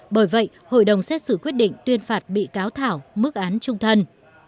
bởi vậy hội đồng xét xử quyết định tuyên phạt bị cáo thảo mức án trung thân